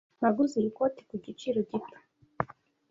Naguze iyi koti ku giciro gito.